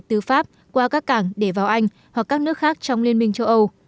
từ pháp qua các cảng để vào anh hoặc các nước khác trong liên minh châu âu